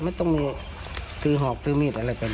ไม่ต้องมีคือหอกคือมีดอะไรก็ได้